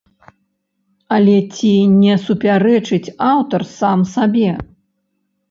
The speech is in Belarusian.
Але ці не супярэчыць аўтар сам сабе?